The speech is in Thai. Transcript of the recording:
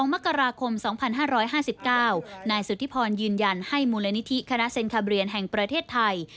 มกราคม๒๕๕๙นายสุธิพรยืนยันให้มูลนิธิคณะเซ็นคาเบียนแห่งประเทศไทย